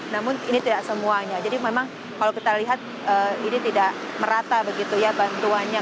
namun ini tidak semuanya jadi memang kalau kita lihat ini tidak merata begitu ya bantuannya